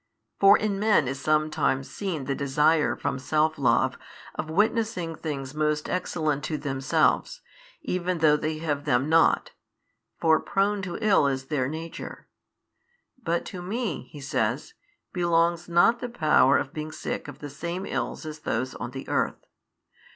For in men is sometimes seen the desire from self love of witnessing things most excellent to themselves, even though they have them not (for prone to ill is their nature); but to Me (He says) belongs not the power of being sick of the same ills as those on the earth.